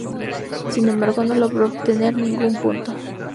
Sin embargo, no logró obtener ningún punto.